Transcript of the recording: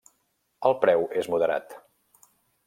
El preu és moderat.